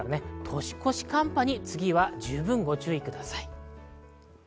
年越し寒波に十分ご注意ください。